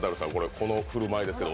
この振る舞いですけど。